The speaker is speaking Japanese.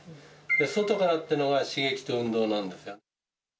外からっていうのが、刺激と運動なんですよ。